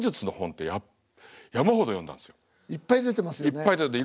いっぱい出てる。